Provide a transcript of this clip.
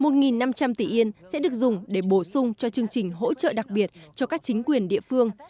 một năm trăm linh tỷ yên sẽ được dùng để bổ sung cho chương trình hỗ trợ đặc biệt cho các chính quyền địa phương